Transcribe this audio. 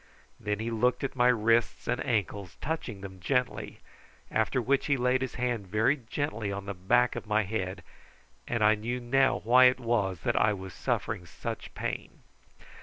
Then he looked at my wrists and ankles, touching them gently, after which he laid his hand very gently on the back of my head, and I knew now why it was that I was suffering such pain.